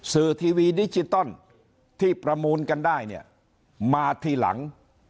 ทีวีดิจิตอลที่ประมูลกันได้เนี่ยมาทีหลัง